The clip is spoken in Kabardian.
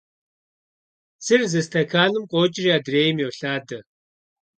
Псыр зы стэканым къокӀри адрейм йолъадэ.